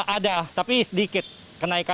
ada tapi sedikit kenaikan